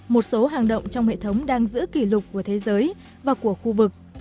một số hàng động trong hệ thống đang giữ kỷ lục của thế giới và của khu vực